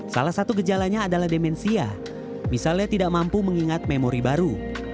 salah satu gejalanya adalah demensia misalnya tidak mampu mengingat memori baru